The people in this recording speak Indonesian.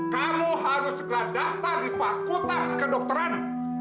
kamu harus segera daftar di fakultas kedokteran